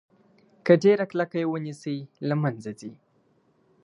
که ډیره کلکه یې ونیسئ له منځه ځي.